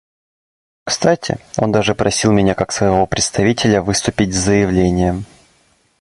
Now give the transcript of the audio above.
Кстати, он даже просил меня как своего представителя выступить с заявлением.